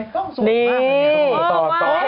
กล้องสวยมาก